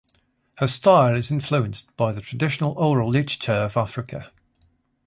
Her style is influenced by the traditional oral literature of Africa.